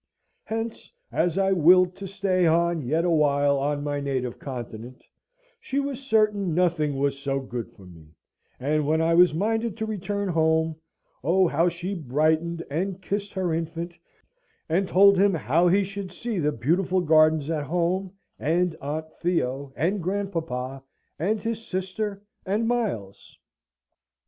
Hence, as I willed to stay on yet a while on my native continent, she was certain nothing was so good for me; and when I was minded to return home oh, how she brightened, and kissed her infant, and told him how he should see the beautiful gardens at home, and Aunt Theo, and grandpapa, and his sister, and Miles.